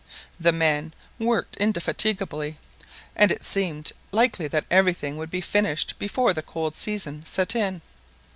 The men worked indefatigably, and it seemed likely that everything would be finished before the cold season set in.